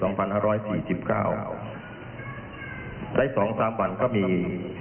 ใน๒๓วันก็มี